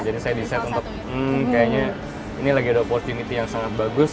jadi saya decide untuk hmm kayaknya ini lagi ada opportunity yang sangat bagus